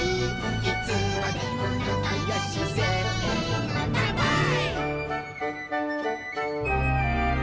「いつまでもなかよしせーのかんぱーい！！」